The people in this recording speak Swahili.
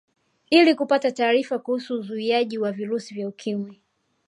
Ili kupata taarifa kuhusu uzuiaji wa virusi vya Ukimwi